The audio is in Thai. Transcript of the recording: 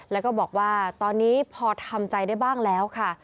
แล้วก็บอกว่าตอนนี้พอทำใจได้บ้างแล้วค่ะ